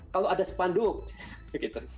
kalau ada sepanduk